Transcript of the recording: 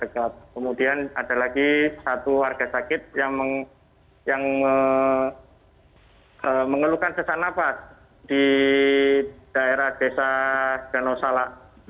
kemudian ada lagi satu warga sakit yang mengeluhkan pesan napas di daerah desa danosala